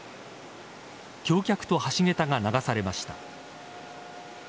橋脚と橋げたが流されました。